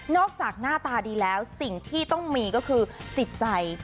จากหน้าตาดีแล้วสิ่งที่ต้องมีก็คือจิตใจ